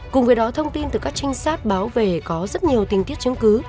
cùng với đó thông tin từ các trinh sát báo về có rất nhiều tình tiết chứng cứ